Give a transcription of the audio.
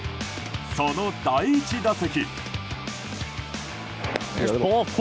その第１打席。